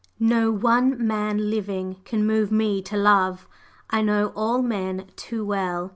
No one man living can move me to love; I know all men too well!